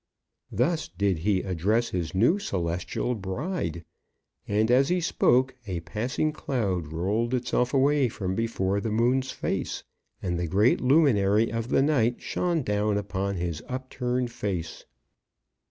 Thus did he address his new celestial bride, and as he spoke a passing cloud rolled itself away from before the moon's face, and the great luminary of the night shone down upon his upturned face.